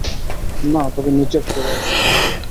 না, তবে নিচের ফ্লোরে আছে।